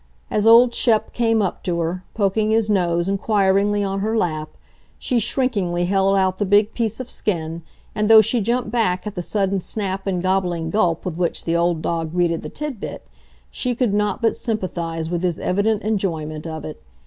As old Shep came up to her, poking his nose inquiringly on her lap, she shrinkingly held out the big piece of skin, and though she jumped back at the sudden snap and gobbling gulp with which the old dog greeted the tidbit, she could not but sympathize with his evident enjoyment of it.